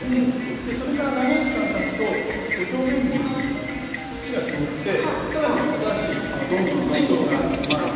でそれから長い時間たつとこう表面に土が積もって更に新しい地層が出来ます。